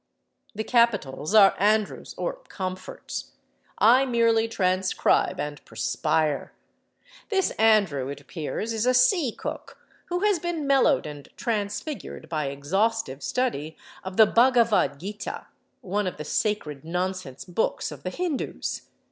The capitals are Andrew's—or Comfort's. I merely transcribe and perspire. This Andrew, it appears, is a sea cook who has been mellowed and transfigured by exhaustive study of the Bhagavad Gītā, one of the sacred nonsense books of the Hindus.